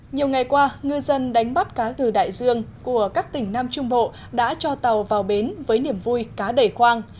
nhiều ngày qua ngư dân đánh bắt cá gừ đại dương của các tỉnh nam trung bộ đã cho tàu vào bến với niềm vui cá đẩy khoang